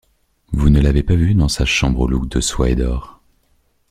Vous ne l’avez pas vu dans sa chambrelouque de soie et d’or.